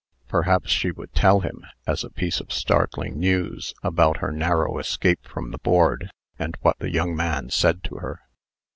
Perhaps she would tell him as a piece of startling news about her narrow escape from the board, and what the young man said to her.